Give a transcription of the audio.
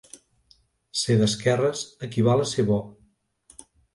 Ser d'esquerres equival a ser bo.